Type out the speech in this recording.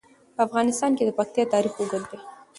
په افغانستان کې د پکتیا تاریخ اوږد دی.